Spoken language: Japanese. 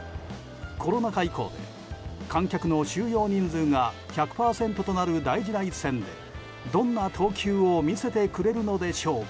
コロナ禍以降で観客の収容人数が１００％となる大事な一戦でどんな投球を見せてくれるのでしょうか。